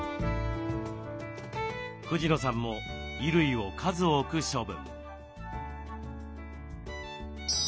藤野さんも衣類を数多く処分。